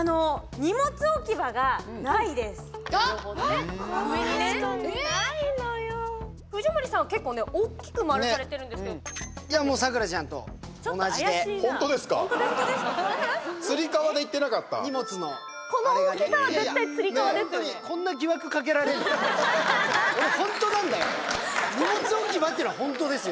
荷物置き場っていうのは本当ですよ。